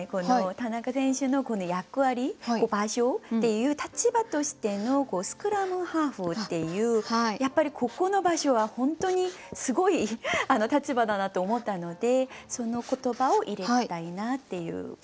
田中選手のこの役割場所っていう立場としてのスクラムハーフっていうやっぱりここの場所は本当にすごい立場だなと思ったのでその言葉を入れたいなっていう感じですね。